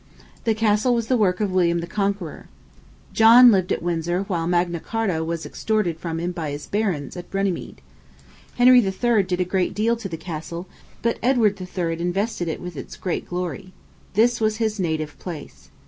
The castle was the work of William the Conqueror. John lived at Windsor while Magna Charta was extorted from him by his barons at Runnymede. Henry III. did a great deal to the castle, but Edward III. invested it with its great glory. This was his native place.